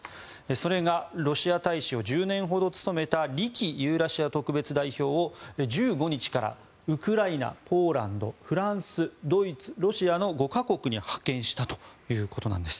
それがロシア大使を１０年ほど務めたリ・キユーラシア特別代表を１５日からウクライナ、ポーランドフランス、ドイツ、ロシアの５か国に派遣したということなんです。